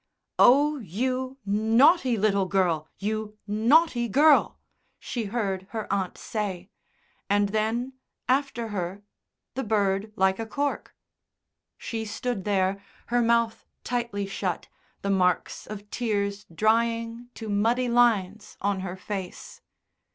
"Oh, you naughty little girl you naughty girl," she heard her aunt say; and then, after her, the bird like a cork. She stood there, her mouth tightly shut, the marks of tears drying to muddy lines on her face.